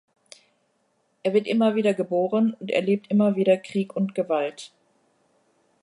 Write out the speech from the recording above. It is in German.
Er wird immer wieder geboren und erlebt immer wieder Krieg und Gewalt.